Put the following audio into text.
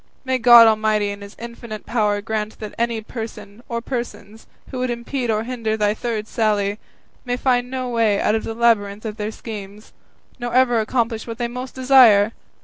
may God Almighty in his infinite power grant that any person or persons, who would impede or hinder thy third sally, may find no way out of the labyrinth of their schemes, nor ever accomplish what they most desire!"